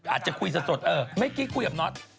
อาจจะคุยใส่สดไม่ไกลท์คุยกับน็อต